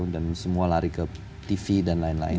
semua lari ke tv dan lain lain